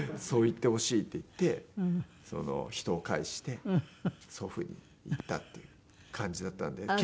「そう言ってほしい」って言って人を介して祖父に言ったっていう感じだったんで。